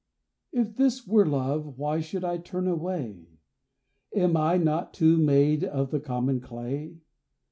If this were Love why should I turn away? Am I not, too, made of the common clay?